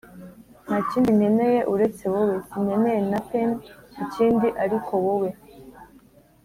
nta kindi nkeneye uretse wowe (sinkeneye nothin 'ikindi ariko wowe)